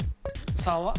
３は？